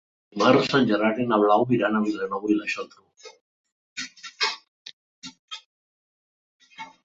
Dimarts en Gerard i na Blau iran a Vilanova i la Geltrú.